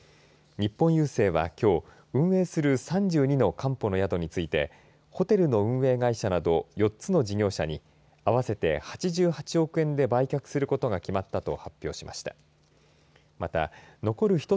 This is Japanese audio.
日本郵政は、きょう運営する３２のかんぽの宿についてホテルの運営会社など４つの事業者に合わせて８８億円で売却することが決まったと発表しました。